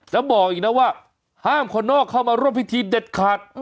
แล้วบอกอีกนะว่าห้ามคนนอกเข้ามาร่วมพิธีเด็ดขาด